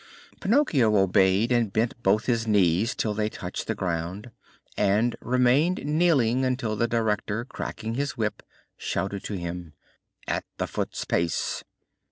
Pinocchio obeyed, and bent both his knees till they touched the ground, and remained kneeling until the director, cracking his whip, shouted to him: "At a foot's pace!"